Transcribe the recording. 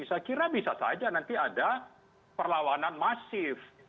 saya kira bisa saja nanti ada perlawanan masif